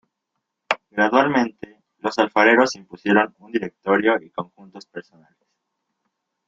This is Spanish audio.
Gradualmente, los alfareros impusieron un directorio y conjuntos personales..